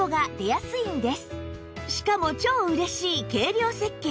しかも超嬉しい軽量設計